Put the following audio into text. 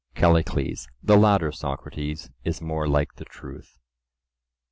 CALLICLES: The latter, Socrates, is more like the truth.